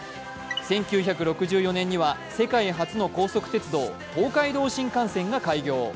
１９６４年には世界初の高速鉄道東海道新幹線が開業。